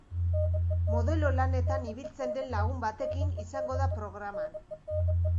Modelo lanetan ibiltzen den lagun batekin izango da programan.